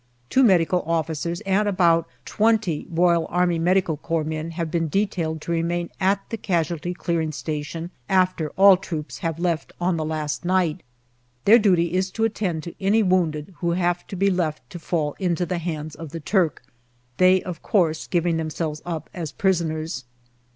Two medical officers and about twenty R.A.M.C. men have been detailed to remain at the casualty clearing station after all troops have left on the last night. Their duty is to attend to any wounded who may have to be left to fall into the hands of the Turk, they of course giving themselves up as prisoners.